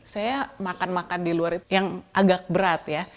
saya makan makan di luar itu yang agak berat ya